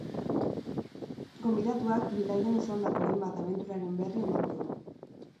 Gonbidatuak, bidaian izandako hainbat abenturaren berri emango du.